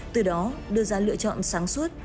từ đó đưa ra lựa chọn sáng suốt